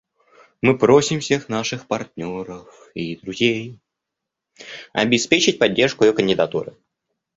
Мы просим всех наших партнеров и друзей обеспечить поддержку ее кандидатуры.